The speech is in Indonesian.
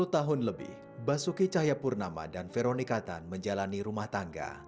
dua puluh tahun lebih basuki chayapurnama dan veronica tan menjalani rumah tangga